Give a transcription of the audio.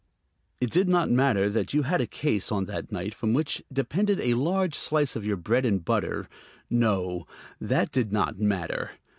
It did not matter that you had a case on that night from which depended a large slice of your bread and butter; no, that did not matter.